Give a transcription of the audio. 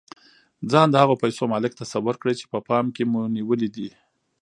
ځان د هغو پيسو مالک تصور کړئ چې په پام کې مو نيولې دي.